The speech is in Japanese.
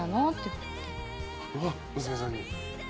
うわっ娘さんに？